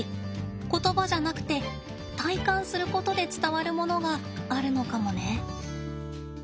言葉じゃなくて体感することで伝わるものがあるのかもね。